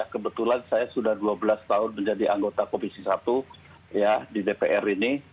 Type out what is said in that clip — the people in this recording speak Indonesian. kebetulan saya sudah dua belas tahun menjadi anggota komisi satu ya di dpr ini